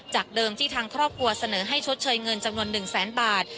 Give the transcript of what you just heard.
เดิมที่ทางครอบครัวเสนอให้ชดเชยเงินจำนวน๑แสนบาท